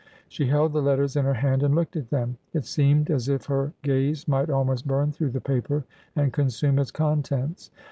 She held the letters | in her hand and looked at them. It seemed as if her | gaze might almost burn through the paper and consume | its contents.